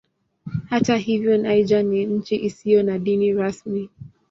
Hata hivyo Niger ni nchi isiyo na dini rasmi.